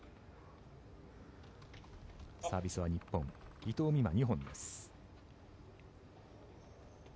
サービスは日本伊藤美誠、２本です。